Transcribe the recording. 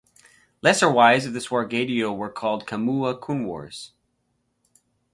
Lesser wives of the Swargadeo were called "chamua kunworis".